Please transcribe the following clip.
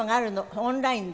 オンラインで。